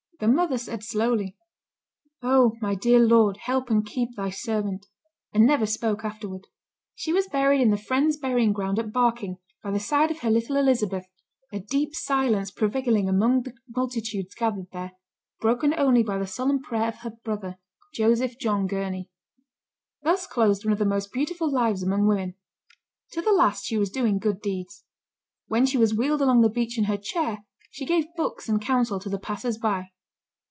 The mother said slowly, "Oh! my dear Lord, help and keep thy servant!" and never spoke afterward. She was buried in the Friends' burying ground at Barking, by the side of her little Elizabeth, a deep silence prevailing among the multitudes gathered there, broken only by the solemn prayer of her brother, Joseph John Gurney. Thus closed one of the most beautiful lives among women. To the last she was doing good deeds. When she was wheeled along the beach in her chair, she gave books and counsel to the passers by.